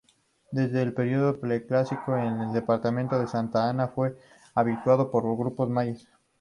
Desde el período preclásico el departamento de Santa Ana fue habitado por grupos mayas.